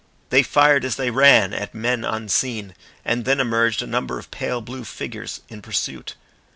They fired as they ran at men unseen, and then emerged a number of pale blue figures in pursuit.